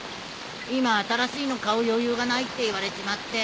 今新しいの買う余裕がないって言われちまって。